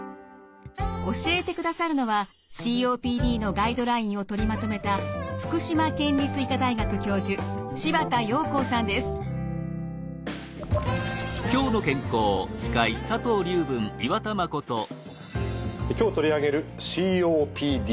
教えてくださるのはＣＯＰＤのガイドラインを取りまとめた今日取り上げるＣＯＰＤ。